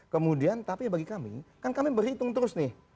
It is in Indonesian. kemudian tapi bagi kami kan kami berhitung terus nih